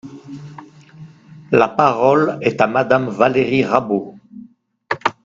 La parole est à Madame Valérie Rabault.